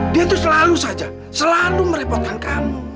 dia tuh selalu saja selalu merepotkan kamu